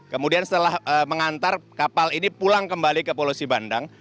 kemudian setelah mengantar kapal ini pulang kembali ke pulau sibandang